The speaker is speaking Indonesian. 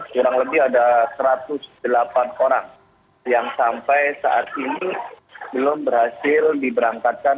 kurang lebih ada satu ratus delapan orang yang sampai saat ini belum berhasil diberangkatkan